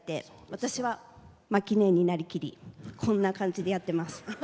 私は摩季姉になりきりこんな感じでやっています。